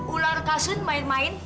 ular kasut main main